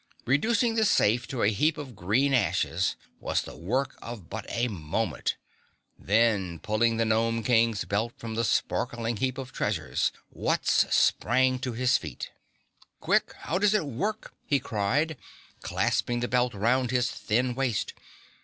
Reducing the safe to a heap of green ashes was the work of but a moment, then, pulling the Gnome King's belt from the sparkling heap of treasures, Wutz sprang to his feet. "Quick! How does it work?" he cried, clasping the belt round his thin waist.